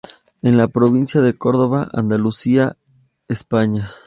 En la provincia de Córdoba, Andalucía, España.